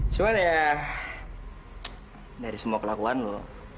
cuma ya dari semua kelakuan loh